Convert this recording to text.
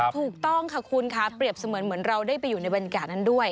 ถูกต้องค่ะคุณค่ะเปรียบเสมือนเหมือนเราได้ไปอยู่ในบรรยากาศนั้นด้วย